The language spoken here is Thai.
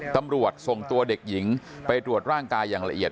ตำรวจส่งตัวเด็กหญิงไปตรวจร่างกายอย่างละเอียด